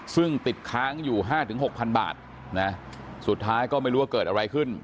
ซึ่งติดค้างอยู่๕๖๐๐บาทนะสุดท้ายก็ไม่รู้ว่าเกิดอะไรขึ้น